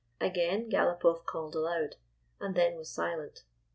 Again Galopoff called aloud, and then was silent.